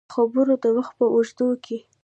د خبرو د وخت په اوږدو کې